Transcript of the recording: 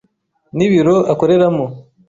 Nibiro akoreramo.